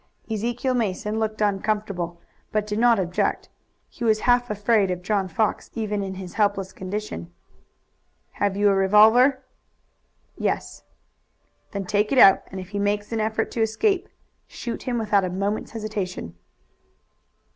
Ezekiel Mason looked uncomfortable, but did not object. He was half afraid of John Fox even in his helpless condition. "Have you a revolver?" "Yes." "Then take it out, and if he makes an effort to escape shoot him without a moment's hesitation."